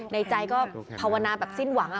ในใจก็ภาวนาแบบสิ้นหวัง